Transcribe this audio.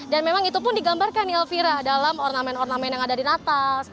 dan memang itu pun digambarkan elvira dalam ornamen ornamen yang ada di natal